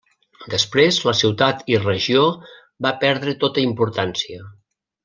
Després la ciutat i regió va perdre tota importància.